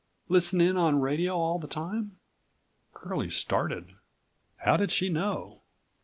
Listen in on radio all the time?" Curlie started. How did she know?